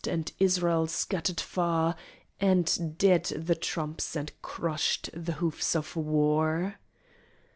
And Israel scattered far! And dead the trumps and crushed the hoofs of war!